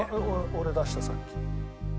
俺出したさっき。